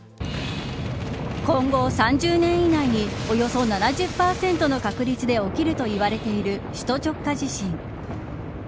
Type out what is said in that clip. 今後３０年以内におよそ７０％の確率で起きるといわれている首都直下地震。